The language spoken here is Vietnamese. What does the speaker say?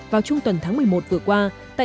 vào chung tuần tháng một mươi một vừa qua